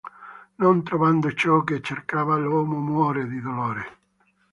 Non trovando ciò che cercava, l'uomo muore di dolore.